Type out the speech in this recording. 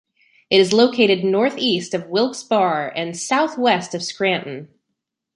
It is located northeast of Wilkes Barre and southwest of Scranton.